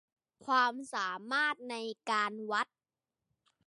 ความสามารถในการวัด